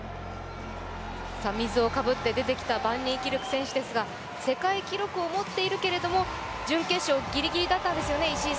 水をかぶって出てきたバンニーキルク選手ですが、世界記録を持っているけれども、準決勝ぎりぎりだったんですよね。